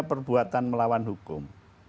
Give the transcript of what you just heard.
perbuatan melawan hukum